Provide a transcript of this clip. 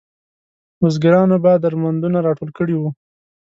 بزګرانو به درمندونه راټول کړي وو.